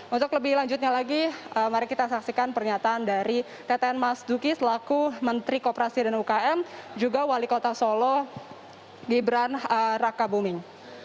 untuk lebih lanjutnya lagi mari kita saksikan pernyataan dari teten mas duki selaku menteri kooperasi dan ukm juga wali kota solo gibran raka buming